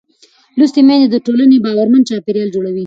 لوستې نجونې د ټولنې باورمن چاپېريال جوړوي.